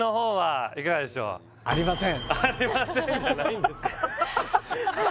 「ありません」じゃないんですよ